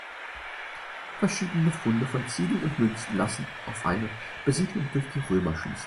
Verschiedene Funde von Ziegeln und Münzen lassen auf eine Besiedlung durch die Römer schliessen.